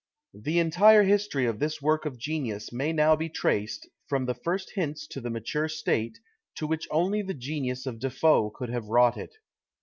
The entire history of this work of genius may now be traced, from the first hints to the mature state, to which only the genius of De Foe could have wrought it.